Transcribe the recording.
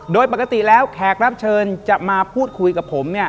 โดยปกติแล้วแขกรับเชิญจะมาพูดคุยกับผมเนี่ย